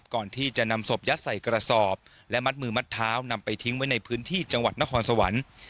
ก่อนที่จะนำศพยัดใส่กระสอบและมัดมือมัดเท้านำไปทิ้งไว้ในพื้นที่จังหวัดนครสวรรค์